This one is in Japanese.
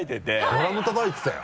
ドラムたたいてたよ。